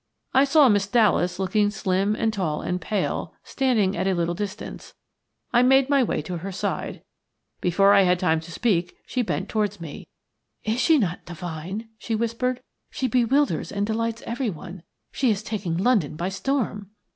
I saw Miss Dallas, looking slim and tall and pale, standing at a little distance. I made my way to her side. Before I had time to speak she bent towards me. "Is she not divine?" she whispered. "She bewilders and delights everyone. She is taking London by storm."